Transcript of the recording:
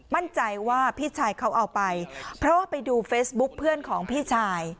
มั่นใจว่าพี่ชายเขาเอาไปเพราะว่าไปดูเฟซบุ๊คเพื่อนของพี่ชาย